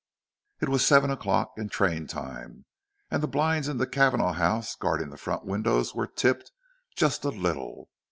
It was seven o'clock, and train time, and the blinds in the Cavanagh house guarding the front windows were tipped just a little.